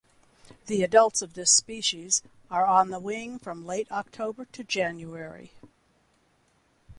The adults of this species are on the wing from late October to January.